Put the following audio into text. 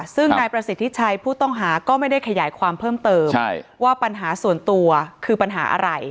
ซึ่งนายประสิทธิชัยผู้ต้องหาก็ไม่ได้ขยายความเพิ่มเติมว่าปัญหาส่วนตัวคือปัญหาอะไร